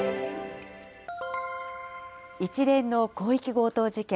一連の広域強盗事件。